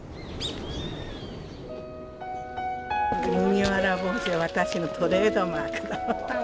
麦わら帽子は私のトレードマーク。